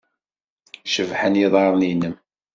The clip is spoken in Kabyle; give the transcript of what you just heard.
Cebḥen yiḍarren-nnem.